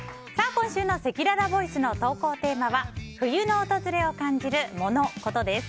今週のせきららボイスの投稿テーマは冬の訪れを感じるモノ・コトです。